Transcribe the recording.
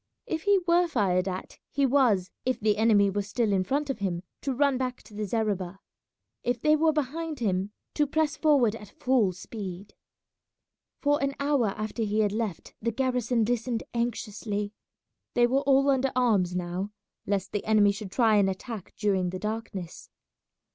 If he were fired at, he was, if the enemy were still in front of him, to run back to the zareba; if they were behind him, to press forward at full speed. For an hour after he had left the garrison listened anxiously. They were all under arms now, lest the enemy should try and attack during the darkness.